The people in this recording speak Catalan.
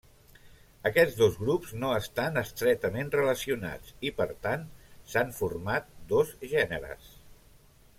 Aquests dos grups no estan estretament relacionats i per tant s'han format dos gèneres.